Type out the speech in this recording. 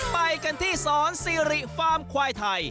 ไปกันที่สอนซีริฟาร์มควายไทย